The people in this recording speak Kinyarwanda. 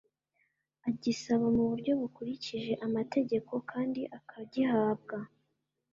agisaba mu buryo bukurikije amategeko kandi akagihabwa